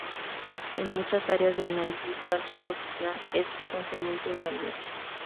En muchas áreas de análisis, tal suposición es frecuentemente inválida.